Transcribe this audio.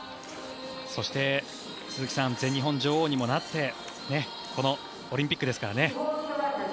そして鈴木さん全日本女王にもなってこのオリンピックですからね。